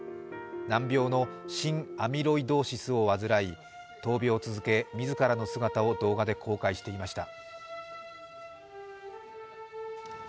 難病の心アミロイドーシスを患い、闘病を続け、みずからの姿を動画で公開していました。